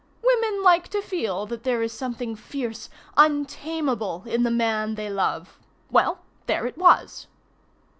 Women like to feel that there is something fierce, untamable in the man they love; well, there it was.